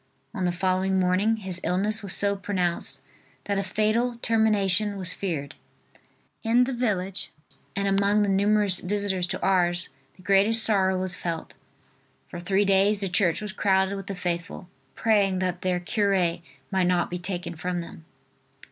On the following morning his illness was so pronounced that a fatal termination was feared. In the village and among the numerous visitors to Ars the greatest sorrow was felt. For three days the church was crowded with the faithful, praying that their cure might not be taken from them.